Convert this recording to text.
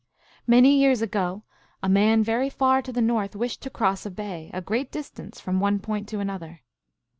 Many years ago a man very far to the North wished to cross a bay, a great distance, from one point to another.